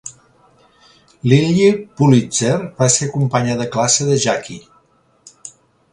Lilly Pulitzer va ser companya de classe de Jackie.